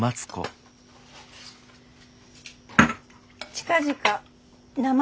近々名前